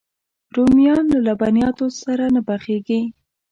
رومیان له لبنیاتو سره نه پخېږي